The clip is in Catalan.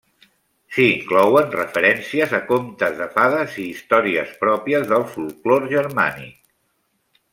S'hi inclouen referències a contes de fades i històries pròpies del folklore germànic.